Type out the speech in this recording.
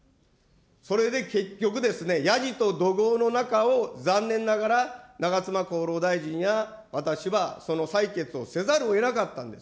それで結局、やじと怒号の中を残念ながら、長妻厚労大臣や私はその採決をせざるをえなかったんです。